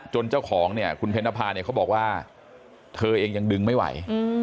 เจ้าของเนี่ยคุณเพนภาเนี่ยเขาบอกว่าเธอเองยังดึงไม่ไหว